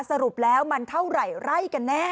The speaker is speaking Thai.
สรุปแล้วมันเท่าไหร่ไร่กันแน่